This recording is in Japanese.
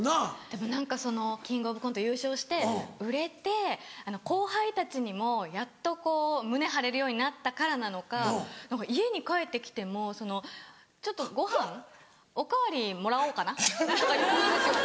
でも何か『キングオブコント』優勝して売れて後輩たちにもやっと胸張れるようになったからなのか家に帰って来ても「ちょっとごはんお代わりもらおうかな？」とか言うんですよ。